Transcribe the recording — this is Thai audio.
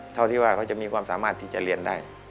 เท่าที่ว่าเขาจะมีความสามารถที่จะเรียนได้